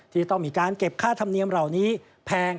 ที่จะต้องมีการเก็บค่าธรรมเนียมเหล่านี้แพง